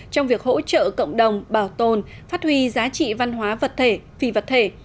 trong việc hỗ trợ cộng đồng bảo tồn phát huy giá trị văn hóa phi vật thể